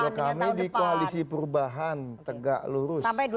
kalau kami di koalisi perubahan tegak lurus